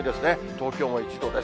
東京も１度です。